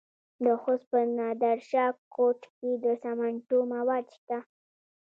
د خوست په نادر شاه کوټ کې د سمنټو مواد شته.